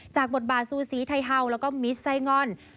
บทบาทซูสีไทเฮาแล้วก็มิสไซงอน